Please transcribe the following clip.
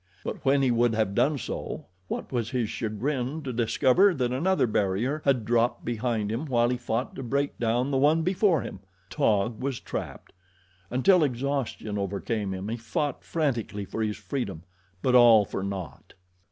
But when he would have done so, what was his chagrin to discover that another barrier had dropped behind him while he fought to break down the one before him! Taug was trapped. Until exhaustion overcame him he fought frantically for his freedom; but all for naught.